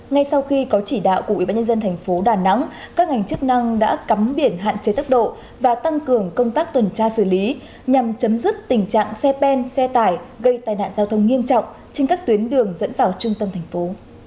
ngay sau khi có chỉ đạo của ubnd tp đà nẵng các ngành chức năng đã cắm biển hạn chế tốc độ và tăng cường công tác tuần tra xử lý nhằm chấm dứt tình trạng xe pen xe tải gây tai nạn giao thông nghiêm trọng trên các tuyến đường dẫn vào trung tâm thành phố